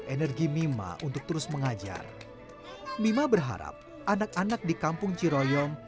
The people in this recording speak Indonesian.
energi mima untuk terus mengajar mima berharap anak anak di kampung ciroyong